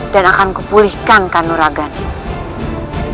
dan akan kupulihkan kandung ragamu